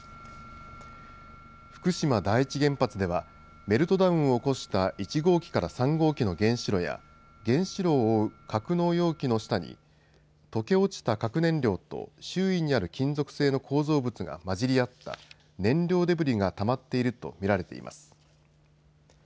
福島第一原発では「メルトダウン」を起こした１号機から３号機の原子炉や原子炉を覆う格納容器の下に溶け落ちた核燃料と周囲にある金属製の構造物が混じり合った「燃料デブリ」がたまっているとみられています。